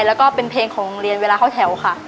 แล้วก็เป็นเพลงของโรงเรียนเวลาเข้าแถวค่ะ